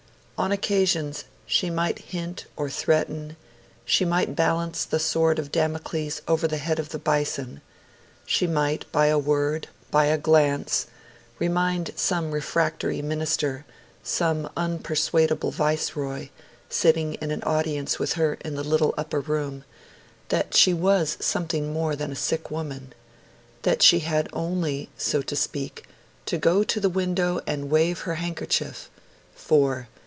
On occasions, she might hint or threaten, she might balance the sword of Damocles over the head of the Bison; she might, by a word, by a glance, remind some refractory Minister, some unpersuadable Viceroy, sitting in audience with her in the little upper room, that she was something more than a mere sick woman, that she had only, so to speak, to go to the window and wave her handkerchief, for